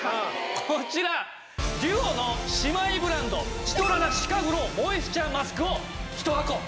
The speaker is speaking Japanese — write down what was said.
こちらＤＵＯの姉妹ブランドシトラナシカグロウモイスチャーマスクを１箱。